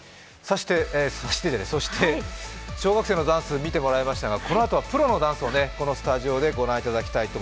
そして小学生のダンス見てもらいましたが、このあとはプロのダンスをこのスタジオでご覧いただきます。